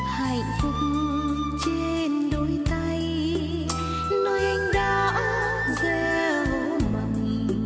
hạnh phúc trên đôi tay nơi anh đã rêu mầm